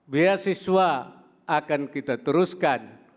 beasiswa akan kita teruskan